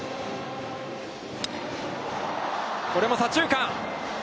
これも左中間。